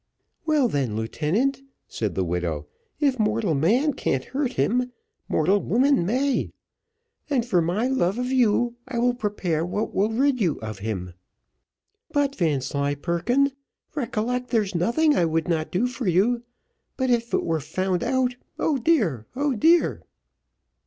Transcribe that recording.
"Well then, lieutenant," said the widow, "if mortal man can't hurt him, mortal woman may; and for my love for you I will prepare what will rid you of him. But, Vanslyperken, recollect there's nothing I would not do for you; but if it were found out O dear! O dear!"